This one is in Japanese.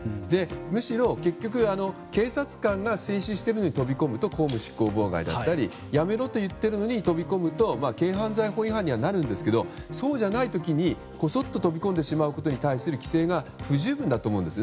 むしろ結局、警察官が制止しているのに飛び込むと公務執行妨害だったりやめろと言っているのに飛び込むと軽犯罪法違反にはなるんですがそうじゃない時にこそっと飛び込んでしまうことに対する規制が不十分だと思うんです。